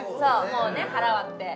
もうね腹割って